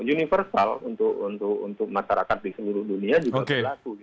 universal untuk masyarakat di seluruh dunia juga berlaku